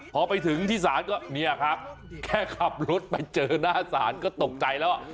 พอไปถึงที่ศาลก็เนี่ยครับแค่ขับรถไปเจอหน้าศาลก็ตกใจแล้ว